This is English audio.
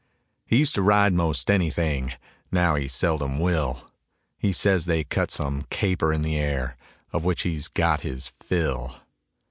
He used to ride most anything; Now he seldom will. He says they cut some caper in the air Of which he's got his fill.